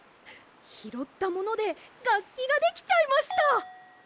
ひろったものでがっきができちゃいました！